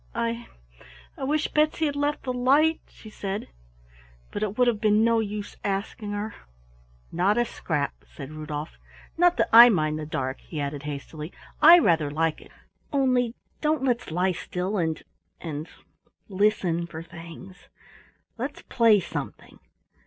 "I I wish Betsy had left the light," she said. "But it would have been no use asking her." "Not a scrap," said Rudolf. "Not that I mind the dark," he added hastily, "I rather like it, only don't let's lie still and and listen for things. Let's play something."